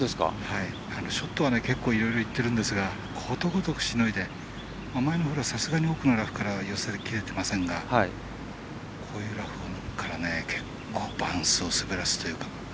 ショットは結構揺れてるんですがことごとくしのいでさすがに奥のラフからは寄せきれていませんがこういうラフから結構バウンスを滑らすというか。